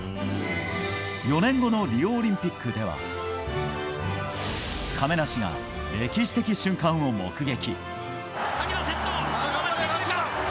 ４年後のリオオリンピックでは亀梨が歴史的瞬間を目撃。